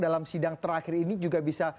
dalam sidang terakhir ini juga bisa